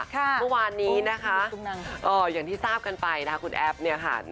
ค่ะคุณสุดทุกนั้นค่ะอย่างที่ทราบกันไปคุณแอฟนี่ค่ะ